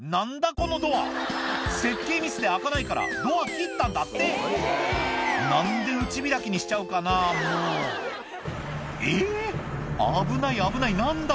このドア設計ミスで開かないからドア切ったんだって何で内開きにしちゃうかなもうえぇ危ない危ない何だ？